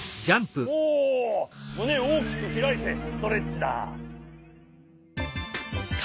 おおむねをおおきくひらいてストレッチだ。